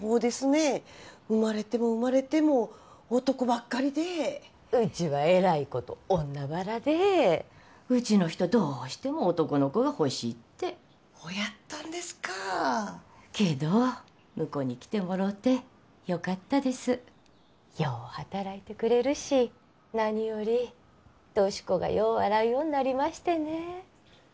え生まれても生まれても男ばっかりでうちはえらいこと女腹でうちの人どうしても男の子が欲しいってほやったんですかけど婿に来てもろうてよかったですよう働いてくれるし何より俊子がよう笑うようになりましてね